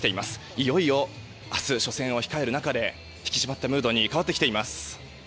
いよいよ明日、初戦を控える中で引き締まったムードに変わってきています。